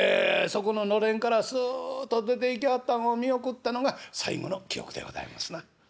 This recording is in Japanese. そこののれんからすっと出ていきはったんを見送ったのが最後の記憶でございますな」。